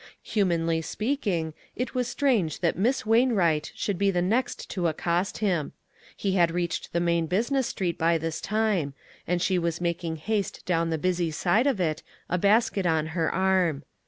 Humanly speaking, it was strange that Miss Wainwright should be the next to ac cost him. He had reached the main busi ness street by this time ; and she was making haste down the busy side of it, a basket on her arm.